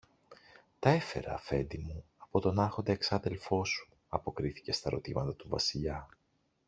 Τα έφερα, Αφέντη μου, από τον Άρχοντα εξάδελφο σου, αποκρίθηκε στα ρωτήματα του Βασιλιά.